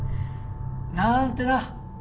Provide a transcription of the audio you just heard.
なーんてな。